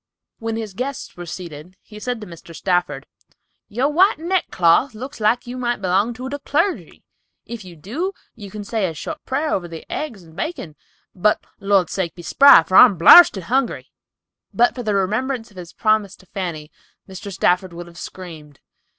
When his guests were seated, he said to Mr. Stafford, "Your white neck cloth looks like you might belong to the clergy. If you do, you can say a short prayer over the eggs and bacon, but Lord's sake be spry, for I'm blarsted hungry!" But for the remembrance of his promise to Fanny, Mr. Stafford would have screamed.